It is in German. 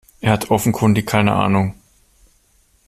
Er hat offenkundig keine Ahnung.